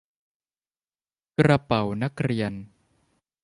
กระเป๋านักเรียน